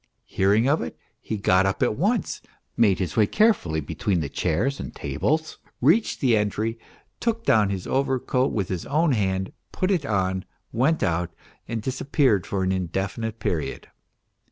Hearing of it he got up at once, made his way carefully between the chairs and tables, reached the entry, took down his overcoat with his own hand, put it on, went out, and disappeared for an indefinite period.